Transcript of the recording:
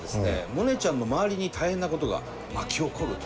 モネちゃんの周りに大変なことが巻き起こると。